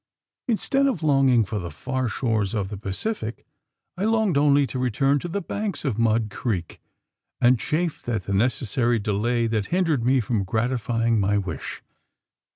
Instead of longing for the far shores of the Pacific, I longed only to return to the banks of Mud Creek; and chafed at the necessary delay that hindered me from gratifying my wish.